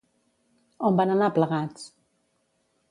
On van anar plegats?